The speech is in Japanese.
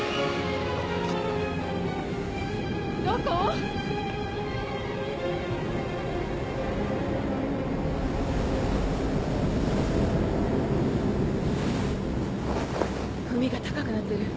どこ⁉海が高くなってる。